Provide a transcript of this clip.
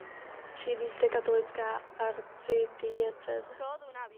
Sídlí zde katolická arcidiecéze.